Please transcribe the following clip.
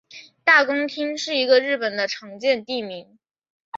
大工町是一个日本的常见地名。